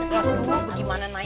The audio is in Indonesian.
satu dua gimana naiknya nih angkotnya